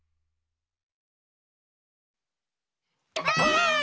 ばあっ！